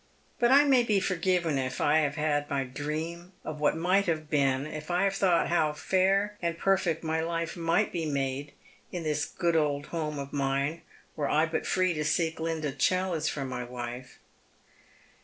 But 1 may be forgiven if I have had my dream of what might have been — if I have thought how fair and perfect my life might be mad? in this good old home of mine, were I but free to seek Lind? Challice for my wife."